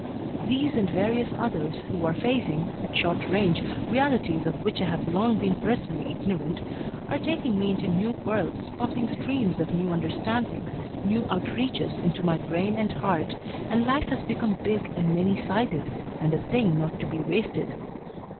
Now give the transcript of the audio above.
These and various others who are facing at short range realities of which I have long been personally ignorant, are taking me into new worlds, pumping streams of new understandings, new outreaches, into my brain and heart, and life has become big and many sided, and a thing not to be wasted.